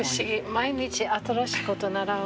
毎日新しいこと習う。